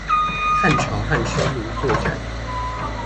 漢朝和匈奴作戰